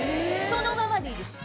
そのままでいいです。